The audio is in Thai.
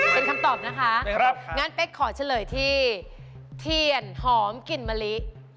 เป็นคำตอบนะคะงั้นเป๊กขอเฉลยที่เทียนหอมกลิ่นมะลิ